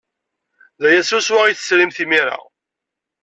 D aya swaswa ay tesrimt imir-a.